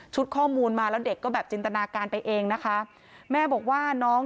ชุดข้อมูลมาแล้วเด็กก็จินตนาการไปเองนะคะ